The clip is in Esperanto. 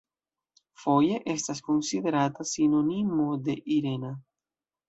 Foje estas konsiderata sinonimo de "Irena".